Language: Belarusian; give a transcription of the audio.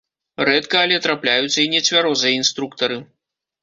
Рэдка, але трапляюцца і нецвярозыя інструктары.